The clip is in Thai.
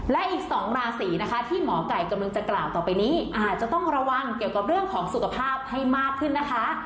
และอีก๒ราศีนะคะที่หมอไก่กำลังจะกล่าวต่อไปนี้อาจจะต้องระวังเกี่ยวกับเรื่องของสุขภาพให้มากขึ้นนะคะ